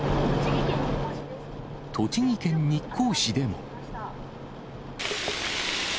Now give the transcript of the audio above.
栃木県日光市でも。